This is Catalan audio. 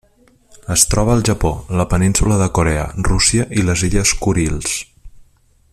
Es troba al Japó, la Península de Corea, Rússia i les Illes Kurils.